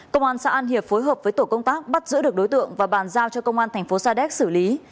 công an xã an hiệp phối hợp với tổ công tác bắt giữ được đối tượng và bàn giao cho công an thành phố sa đéc xử lý